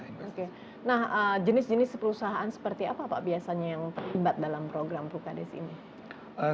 oke nah jenis jenis perusahaan seperti apa pak biasanya yang terlibat dalam program prukades ini